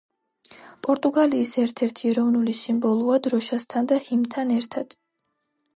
პორტუგალიის ერთ-ერთი ეროვნული სიმბოლოა, დროშასთან და ჰიმნთან ერთად.